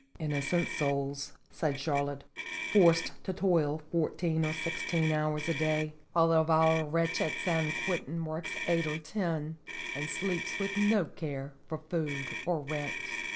"Innocent souls," said Charlotte, "forced to toil fourteen or sixteen hours a day, while the vile wretch at San Quentin works eight or ten, and sleeps with no care for food or rent."